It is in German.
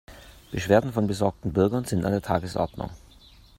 Beschwerden von besorgten Bürgern sind an der Tagesordnung.